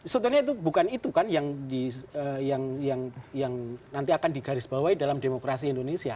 sebenarnya itu bukan itu kan yang nanti akan digarisbawahi dalam demokrasi indonesia